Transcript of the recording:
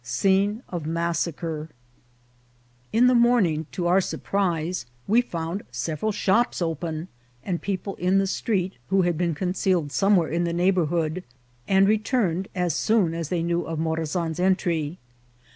— Scene of Massacre. IN the morning, to our surprise, we found several shops open, and people in the street, who had been concealed somewhere in the neighbourhood, and re turned as soon as they knew of Morazan' s entry.